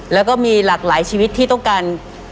แล้วก็มีหลากหลายชีวิตที่ต้องการ